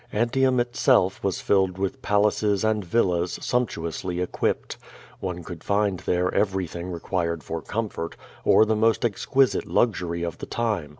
Antium itself was filled with palaces and villas sumptuously equipped. One could find there eyeTf thing required for comfort, or the most exquisite luxury of the time.